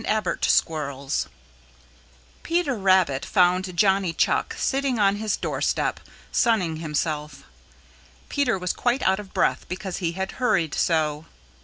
CHAPTER V The Squirrels of the Trees Peter Rabbit found Johnny Chuck sitting on his doorstep, sunning himself. Peter was quite out of breath because he had hurried so.